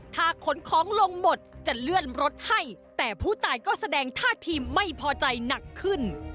ถ้าขนของลงหมดจะเลื่อนรถให้แต่ผู้ตายก็แสดงท่าทีไม่พอใจหนักขึ้น